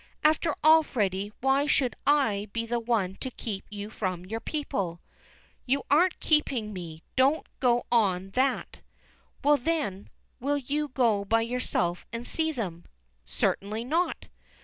"After all, Freddy, why should I be the one to keep you from your people?" "You aren't keeping me. Don't go on that." "Well, then, will you go by yourself and see them?" "Certainly not."